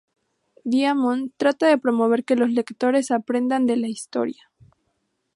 Diamond trata de promover que los lectores aprendan de la historia.